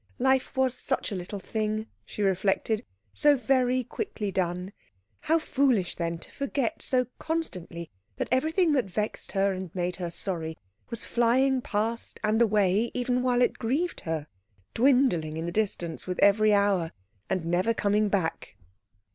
Life was such a little thing, she reflected, so very quickly done; how foolish, then, to forget so constantly that everything that vexed her and made her sorry was flying past and away even while it grieved her, dwindling in the distance with every hour, and never coming back.